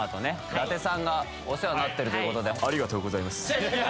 舘さんがお世話になってるということでありがとうございます